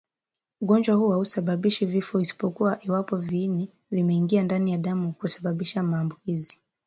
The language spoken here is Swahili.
Ugonjwa huu hausababishi vifo isipokuwa iwapo viini vimeingia ndani ya damu na kusababisha maambukizi